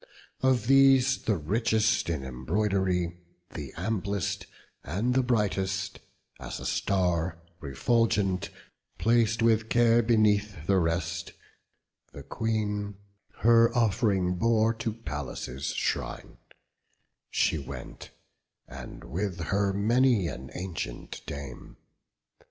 Of these, the richest in embroidery, The amplest, and the brightest, as a star Refulgent, plac'd with care beneath the rest, The Queen her off'ring bore to Pallas' shrine: She went, and with her many an ancient dame.